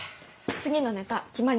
次のネタ決まりだね。